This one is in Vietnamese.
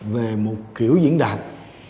về một kiểu diễn đạt